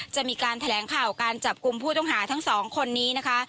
จะมีการแถลงข่าวการจับกลุ่มผู้ต้องหาทั้งสองคนนี้นะคะ